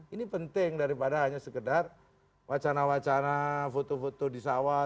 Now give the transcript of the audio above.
ini penting daripada hanya sekedar wacana wacana foto foto di sawah